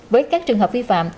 với các trường hợp vi phạm